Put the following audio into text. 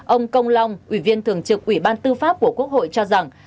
ông công long ủy viên thường trực ủy ban tư pháp của quốc hội cho rằng